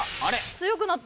強くなった。